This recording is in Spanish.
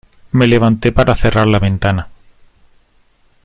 me levanté para cerrar la ventana.